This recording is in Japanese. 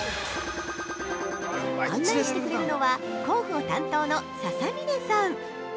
案内してくれるのは広報担当の笹嶺さん。